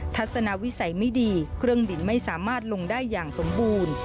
ทัศนวิสัยไม่ดีเครื่องบินไม่สามารถลงได้อย่างสมบูรณ์